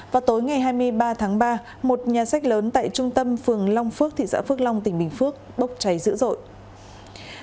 vào tối ngày hai mươi ba tháng ba một nhà sách lớn tại trung tâm phường long phước thị xã phước long tỉnh bình phước bốc cháy dữ dội